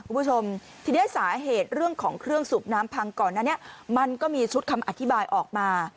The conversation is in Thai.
คุณผู้ชมทีนี้สาเหตุเรื่องของเครื่องสูบน้ำพังก่อนหน้านี้มันก็มีชุดคำอธิบายออกมา